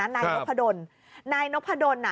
นายนกพะดนนายนกพะดน